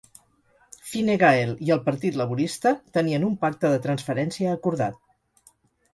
Fine Gael i el Partit Laborista tenien un pacte de transferència acordat.